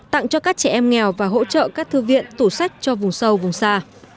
tặng cho các trẻ em nghèo và hỗ trợ các thư viện tủ sách cho vùng sâu vùng xa